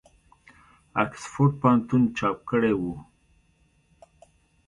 آکسفورډ پوهنتون چاپ کړی وو.